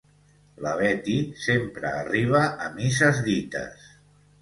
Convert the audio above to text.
La Betty sempre arriba a misses dites.